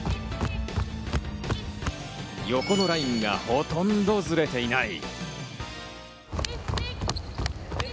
横のラインがほとんどずれていない。